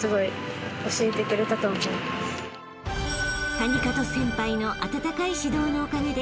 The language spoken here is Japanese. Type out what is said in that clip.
［谷門先輩の温かい指導のおかげで］